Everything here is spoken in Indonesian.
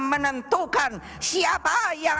menentukan siapa yang